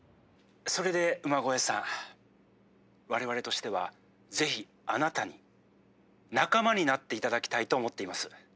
それで馬越さん我々としてはぜひあなたに仲間になっていただきたいと思っています」。